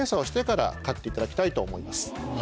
飼っていただきたいと思います。